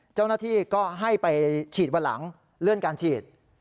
เจ้าหน้าที่ก็ให้ไปฉีดวันหลังเลื่อนการฉีด